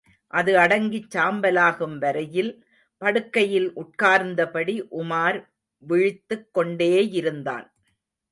அது அடங்கிச் சாம்பலாகும் வரையில், படுக்கையில் உட்கார்ந்தபடி உமார் விழித்துக் கொண்டேயிருந்தான்.